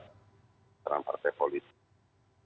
terhadap partai politik